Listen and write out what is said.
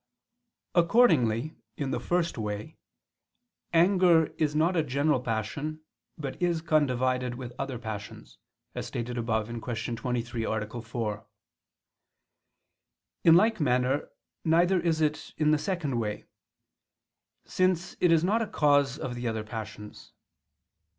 Accordingly in the first way, anger is not a general passion but is condivided with the other passions, as stated above (Q. 23, A. 4). In like manner, neither is it in the second way: since it is not a cause of the other passions.